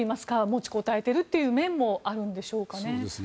持ちこたえている面もあるんでしょうかね。